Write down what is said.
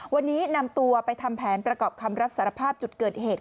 วันนี้นำตัวไปทำแผนประกอบคำรับสารภาพจุดเกิดเหตุ